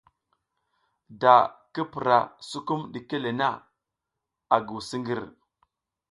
Da ki pura sukum ɗike le na, a nguw siƞgir.